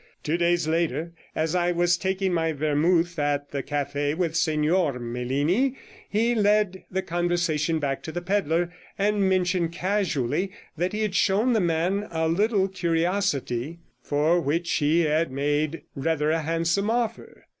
Two days later, as I was taking my vermouth at the cafe with Signor Melini, he led the conversation back to the pedlar, and mentioned casually that he had shown the man a little curiosity, for 89 which he had made rather a handsome offer.